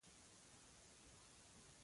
بیا به دوی دغه پیسې احمدشاه ته ورکړي.